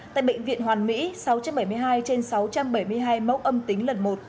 tại bệnh viện hoàn mỹ sáu trăm bảy mươi hai trên sáu trăm bảy mươi hai mẫu âm tính lần một